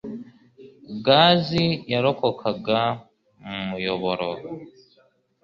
Gazi yarokokaga mu muyoboro.